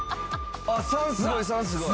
３すごい３すごい。